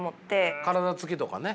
体つきとかね。